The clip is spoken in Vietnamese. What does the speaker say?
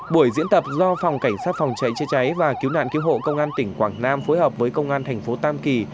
buổi diễn tập do phòng cảnh sát phòng cháy chế cháy và cứu nạn cứu hộ công an tỉnh quảng nam phối hợp với công an thành phố tam kỳ